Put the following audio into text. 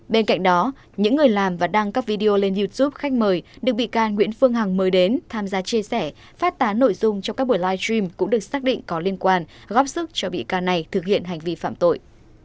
bên cạnh đó những người làm và đăng các video lên youtube khách mời được bị can nguyễn phương hằng mời đến tham gia chia sẻ phát tán nội dung trong các buổi live stream cũng được xác định có liên quan góp sức cho bị can này thực hiện hành vi phạm tội